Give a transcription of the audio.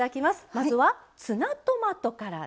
まずはツナトマトからです。